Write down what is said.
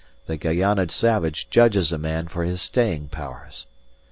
The Guayana savage judges a man for his staying powers.